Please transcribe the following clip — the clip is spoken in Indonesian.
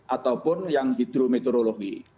ataupun yang hidrometeorologi